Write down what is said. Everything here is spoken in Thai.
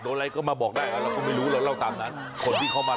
เพราะว่าเป็นจราเข้ที่เป็นบริวารของเจ้าแม่